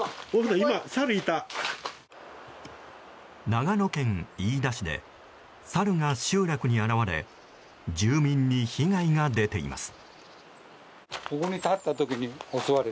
長野県飯田市でサルが集落に現れ住民に被害が出ています。